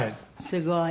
すごい。